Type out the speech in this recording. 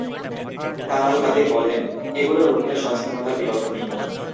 কামাল কাদির বলেন, এগুলো রুখতে সচেতনতার বিকল্প নেই।